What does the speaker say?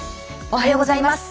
おはようございます。